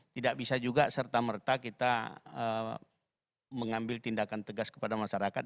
tidak bisa juga serta merta kita mengambil tindakan tegas kepada masyarakat